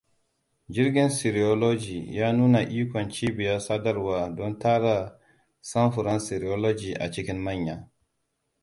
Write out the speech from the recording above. Jirgin serology ya nuna ikon cibiyar sadarwa don tara samfuran serology a cikin manya.